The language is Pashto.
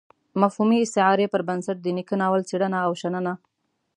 مفهومي استعارې پر بنسټ د نيکه ناول څېړنه او شننه.